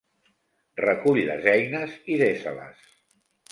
Recull les eines i desa-les.